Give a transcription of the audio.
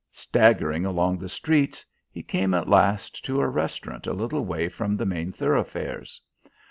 Staggering along the streets, he came at last to a restaurant a little way from the main thoroughfares.